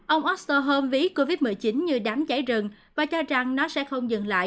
ông osterholm ví covid một mươi chín như đám chảy rừng và cho rằng nó sẽ không dừng lại